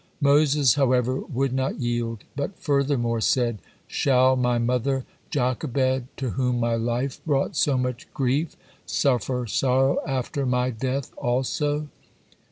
Moses, however, would not yield, but furthermore said, "Shall my mother Jochebed, to whom my life brought so much grief, suffer sorrow after my death also?"